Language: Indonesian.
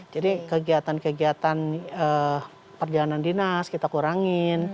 jadi kegiatan kegiatan perjalanan dinas kita kurangi